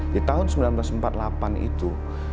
di tahun seribu sembilan ratus empat puluh delapan itu